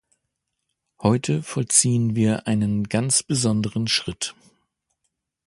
Heute vollziehen wir einen ganz besonderen Schritt.